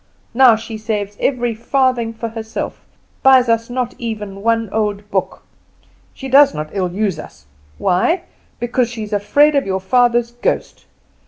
Now she saves every farthing for herself, buys us not even one old book. She does not ill use us why? Because she is afraid of your father's ghost.